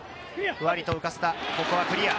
ふわりと浮かせた、ここはクリア。